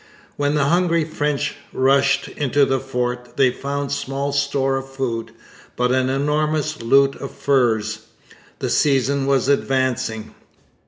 When the hungry French rushed into the fort, they found small store of food, but an enormous loot of furs. The season was advancing.